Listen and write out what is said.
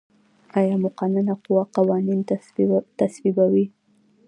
آیا مقننه قوه قوانین تصویبوي؟